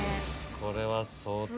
これは相当。